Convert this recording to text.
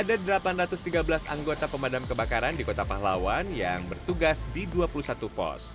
ada delapan ratus tiga belas anggota pemadam kebakaran di kota pahlawan yang bertugas di dua puluh satu pos